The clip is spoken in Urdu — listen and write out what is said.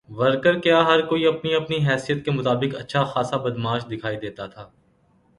ورکر کیا ہر کوئی اپنی اپنی حیثیت کے مطابق اچھا خاصا بدمعاش دکھائی دیتا تھا۔